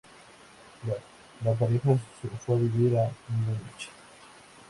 La pareja se fue a vivir a Múnich.